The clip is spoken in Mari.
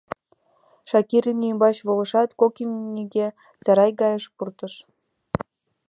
Шакир имне ӱмбач волышат, кок имньыге сарай гайыш пуртыш.